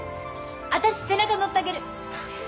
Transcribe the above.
私背中乗ったげる。